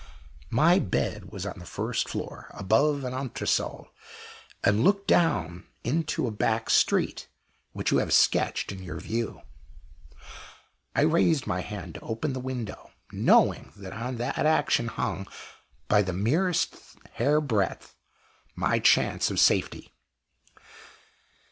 My bedroom was on the first floor, above an entresol, and looked into a back street, which you have sketched in your view. I raised my hand to open the window, knowing that on that action hung, by the merest hair breadth, my chance of safety.